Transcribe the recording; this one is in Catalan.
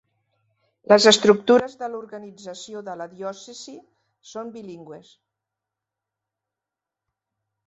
Les estructures de l'organització de la diòcesi són bilingües.